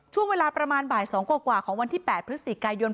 ช่วงเวลาประมาณบ่าย๒กว่าของวันที่๘พฤศจิกายน